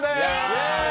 イエーイ！